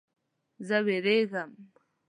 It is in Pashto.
زه ویریږم